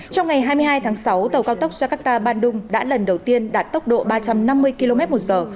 trong ngày hai mươi hai tháng sáu tàu cao tốc jakarta bandung đã lần đầu tiên đạt tốc độ ba trăm năm mươi km một giờ